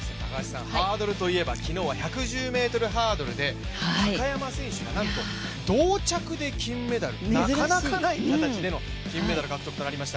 ハードルといえば昨日は１１０ｍハードルで高山選手がなんと同着で金メダルなかなか、ない形での金メダル獲得となりました。